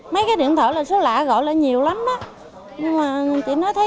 mấy cái điện thoại là số lạ gọi là nhiều lắm đó